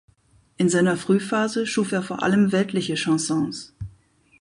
In seiner Frühphase schuf er vor allem weltliche Chansons.